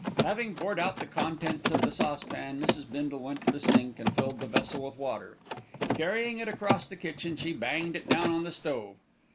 Having poured out the contents of the saucepan, Mrs. Bindle went to the sink and filled the vessel with water. Carrying it across the kitchen, she banged it down on the stove.